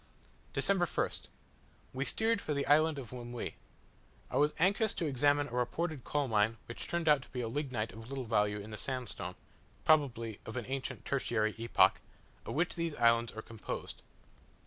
December 1st. We steered for the island of Lemuy. I was anxious to examine a reported coal mine which turned out to be lignite of little value, in the sandstone (probably of an ancient tertiary epoch) of which these islands are composed.